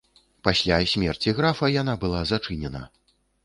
Пасля смерці графа яна была зачынена.